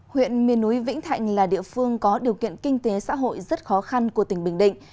huyện miền núi vĩnh thạnh là địa phương có điều kiện kinh tế xã hội rất khó khăn của tỉnh bình định